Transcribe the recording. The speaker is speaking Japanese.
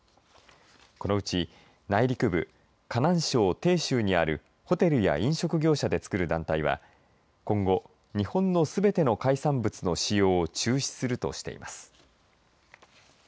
このうち、内陸部河南省鄭州にあるホテルや飲食業者で作る団体は今後、日本のすべての海産物の使用を中止するとしています。